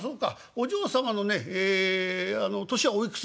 お嬢様のねええ年はおいくつだ？」。